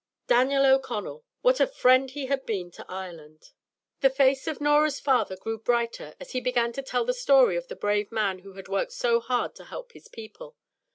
Daniel O'Connell! What a friend he had been to Ireland! The face of Norah's father grew brighter as he began to tell the story of the brave man who had worked so hard to help his people.